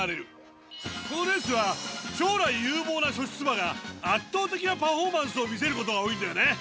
このレースは将来有望な素質馬が圧倒的なパフォーマンスを見せることが多いんだよね。